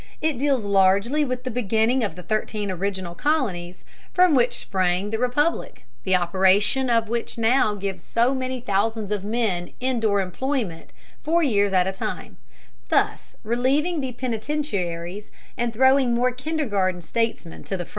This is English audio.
It deals largely with the beginning of the thirteen original colonies from which sprang the Republic, the operation of which now gives so many thousands of men in door employment four years at a time, thus relieving the penitentiaries and throwing more kindergarten statesmen to the front.